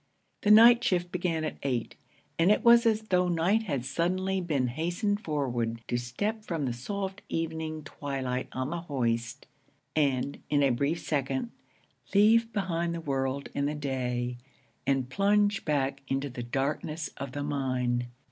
The night shift began at eight, and it was as though night had suddenly been hastened forward, to step from the soft evening twilight on the hoist, and, in a brief second, leave behind the world and the day and plunge back into the darkness of the mine.